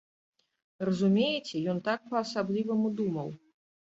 Разумееце, ён так па-асабліваму думаў.